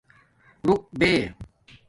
رُوک بے